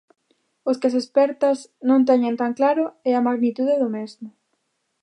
O que as expertas non teñen tan claro é a magnitude do mesmo.